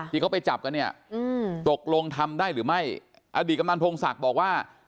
ที่เขาไปจับกันเนี่ยตกลงทำได้หรือไม่อดีตกำนันพงศักดิ์บอกว่า